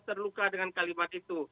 terluka dengan kalimat itu